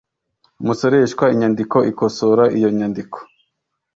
umusoreshwa inyandiko ikosora iyo nyandiko